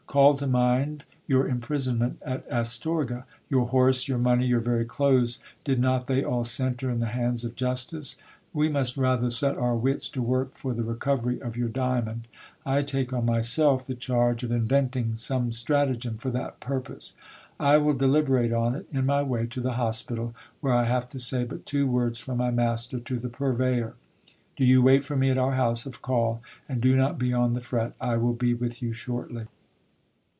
Call to mind your imprisonment at Astorga ; your horse, your money, your very clothes, did not they all centre in the hands of justice ? We must rather set our wits to work for the recovery of your diamond. I take on myself the charge of in venting some stratagem for that purpose. I will deliberate on it in my way to the hospital, where I have to say but two words from my master to the purveyor. Do you wait for me at our house of call, and do not be on the fret : I will be with you shortly.